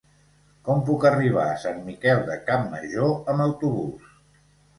Com puc arribar a Sant Miquel de Campmajor amb autobús?